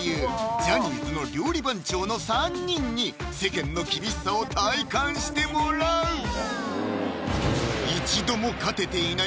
ジャニーズの料理番長の３人に世間の厳しさを体感してもらう一度も勝てていない